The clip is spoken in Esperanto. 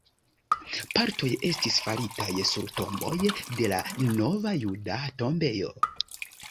Partoj estis faritaj sur tomboj de la Nova juda tombejo.